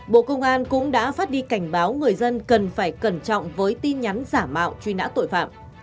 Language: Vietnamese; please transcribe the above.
bộ công an cũng đã phát đi cảnh báo người dân cần phải cẩn trọng với tin nhắn giả mạo truy nã tội phạm